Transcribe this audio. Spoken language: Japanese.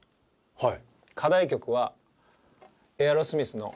はい。